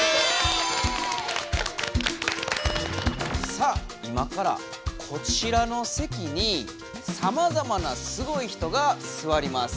さあ今からこちらのせきにさまざまなすごい人がすわります。